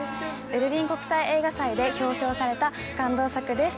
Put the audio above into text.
ベルリン国際映画祭で表彰された感動作です。